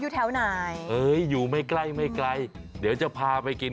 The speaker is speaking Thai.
ที่ไหน